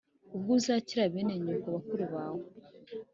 Ubwo uzakira bene nyoko bakuru bawe